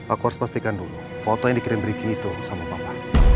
aku harus pastikan dulu foto yang dikirim bricky itu sama papa